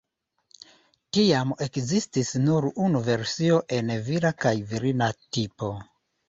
Tiam ekzistis nur unu versio en vira kaj virina tipo.